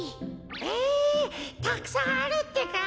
えたくさんあるってか。